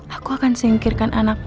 aku akan singkirkan anakmu